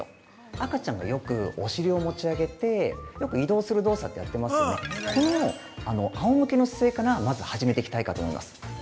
赤ちゃんがよくお尻を持ち上げてよく移動する動作って、やってますよね、このあおむけの姿勢からまず始めていきたいかと思います。